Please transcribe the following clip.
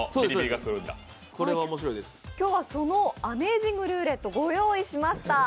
今日はその「アメイジングルーレット」を御用意しました。